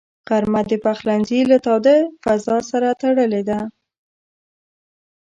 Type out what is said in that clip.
غرمه د پخلنځي له تاوده فضاء سره تړلې ده